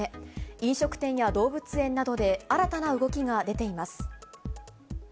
飲食店や動物園などで新たな動きが出ています。